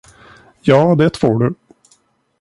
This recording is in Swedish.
Ja, det får du.